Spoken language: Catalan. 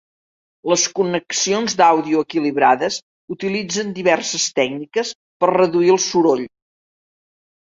Les connexions d'àudio equilibrades utilitzen diverses tècniques per reduir el soroll.